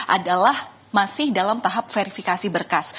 adalah masih dalam tahap verifikasi berkas